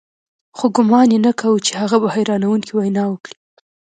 خو ګومان یې نه کاوه چې هغه به حیرانوونکې وینا وکړي